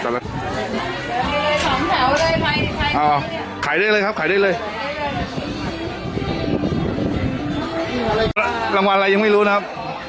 รางวัลอะไรยังไม่รู้นะครับ